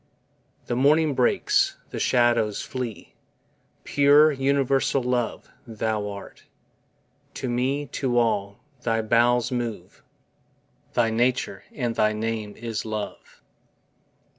The morning breaks, the shadows flee: Pure UNIVERSAL LOVE Thou art, To me, to all, thy bowels move, Thy nature, and thy name is LOVE.